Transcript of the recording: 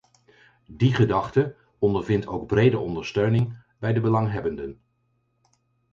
Die gedachte ondervindt ook brede ondersteuning bij de belanghebbenden.